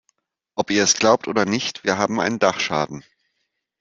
Ob ihr es glaubt oder nicht, wir haben einen Dachschaden.